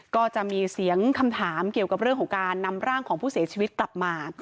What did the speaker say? ก็จะมีเสียงคำถามเกี่ยวกับเรื่องของการนำร่างของผู้เสียชีวิตกลับมา